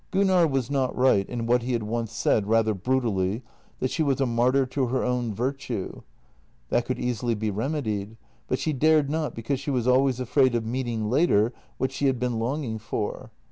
Gunnar was not right in what he had once said, rather brutally, that she was a martyr to her own virtue. That could easily be remedied, but she dared not, because she was always afraid of meeting later what she had been longing for.